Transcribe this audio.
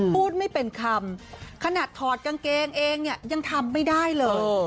พูดไม่เป็นคำขนาดถอดกางเกงเองเนี่ยยังทำไม่ได้เลย